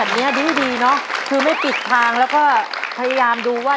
ที่อยู่ได้เรื่อยนะลูกนะ